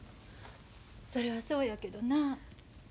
それはそうやけどな。